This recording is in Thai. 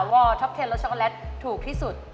วอร์ร์ทอป๑๐รสชักโกแรตถูกที่สุด